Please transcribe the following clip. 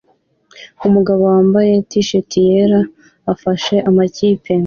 Umugabo wambaye t-shati yera afashe amakipe